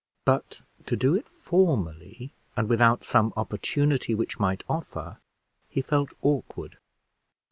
But to do it formally, and without some opportunity which might offer, he felt awkward.